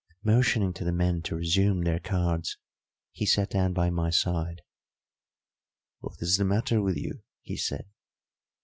Motioning to the men to resume their cards, he sat down by my side. "What is the matter with you?" he said.